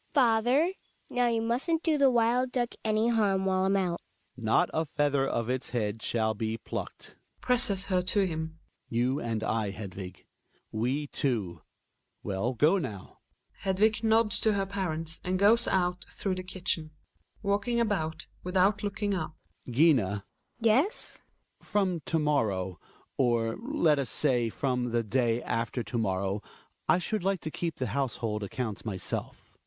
Father, now you mustn't do the wild duck any harm while I'm ouiVptA Hjalmar. Not a feather of its head shall be plucked. {Presses her to him.) You and I, Hedvig, — we two !— Well go now. Hedvig nods to her parents and goes out through the kitchen. Hjalmar {walking about without looking up). Gina. GiNA. Yes? Hjalmar. From to morrow — or let us say, from the day after to morrow — I should like to keep the house hold accounts myself.